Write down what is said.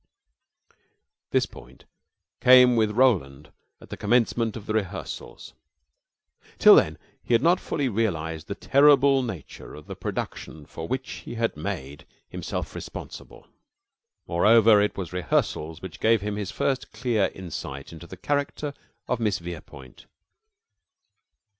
This point came with Roland at the commencement of the rehearsals. Till then he had not fully realized the terrible nature of the production for which he had made himself responsible. Moreover, it was rehearsals which gave him his first clear insight into the character of Miss Verepoint.